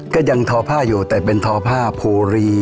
ก็ยังทอผ้าอยู่แต่เป็นทอผ้าภูรี